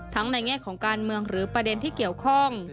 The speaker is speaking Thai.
ในแง่ของการเมืองหรือประเด็นที่เกี่ยวข้อง